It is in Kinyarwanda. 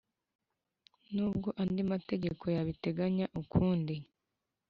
N ubwo andi mategeko yabiteganya ukundi